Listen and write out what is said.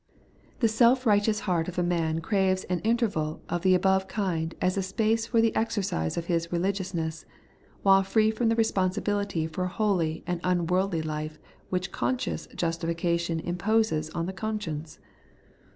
The self righteous heart of man craves an interval of the above kind as a space for the exercise of his religiousness, while free from the responsibility for a holy and imworldly life which conscious justification imposes on the conscience.